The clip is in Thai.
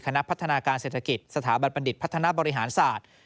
คณะพัฒนาการเศรษฐกิจสถาบันบัณฑิตพัฒนาบริหารศาสตร์